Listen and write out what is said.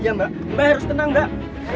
ya mbak mbak harus tenang mbak